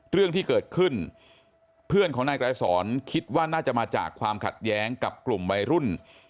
เรื่องที่เกิดขึ้นเพื่อนของนายไกรสอนคิดว่าน่าจะมาจากความขัดแย้งกับกลุ่มวัยรุ่น